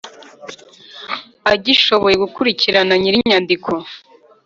agishoboye gukurikirana nyir inyandiko